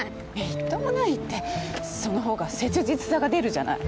みっともないってその方が切実さが出るじゃない。